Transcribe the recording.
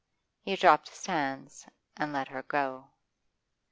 He dropped his hands and let her go.